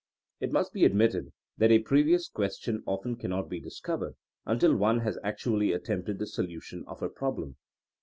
It must be admitted that a previous question often cannot be dis covered until one has actually attempted the solution of a problem.